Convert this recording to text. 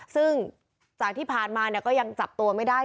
ซึ่งจากที่ผ่านมาก็ยังจับตัวไม่ได้